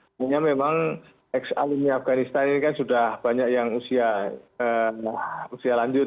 sebenarnya memang ex alumni afganistan ini kan sudah banyak yang usia lanjut